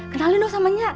kenalin lo sama nyat